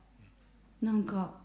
何か。